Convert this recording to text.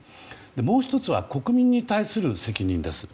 もう１つは国民に対する責任です。